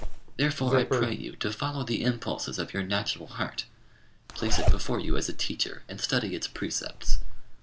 Therefore I pray you to follow the impulses of your natural heart; place it before you as a teacher, and study its precepts.